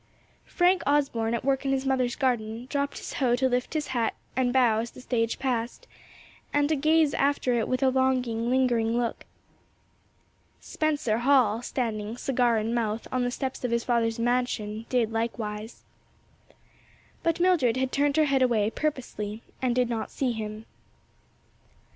Frank Osborne, at work in his mother's garden, dropped his hoe to lift his hat and bow as the stage passed, and to gaze after it with a longing, lingering look. Spencer Hall, standing, cigar in mouth, on the steps of his father's mansion, did likewise. But Mildred had turned her head away, purposely, and did not see him.